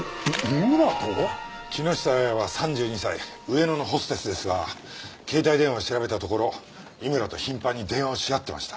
木下亜矢は３２歳上野のホステスですが携帯電話を調べたところ井村と頻繁に電話をし合ってました。